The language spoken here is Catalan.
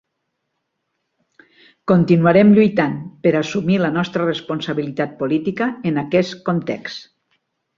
Continuarem lluitant per assumir la nostra responsabilitat política en aquest context.